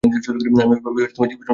আমি ওই ভাবে জীবনযাপন করতে পারবো না।